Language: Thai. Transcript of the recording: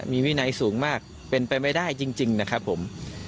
มีวินัยสูงมากเป็นไปไม่ได้จริงนะครับผม